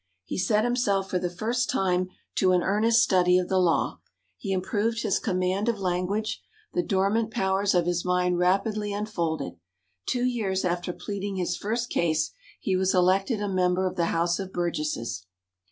He set himself for the first time to an earnest study of the law. He improved his command of language, the dormant powers of his mind rapidly unfolded. Two years after pleading his first case, he was elected a member of the House of Burgesses.